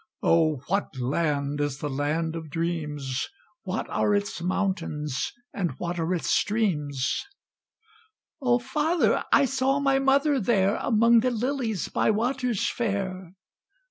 O what land is the land of dreams? What are its mountains and what are its streams?" "O father! I saw my mother there, Among the lilies by waters fair."